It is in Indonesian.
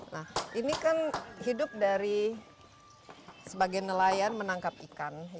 nah ini kan hidup dari sebagai nelayan menangkap ikan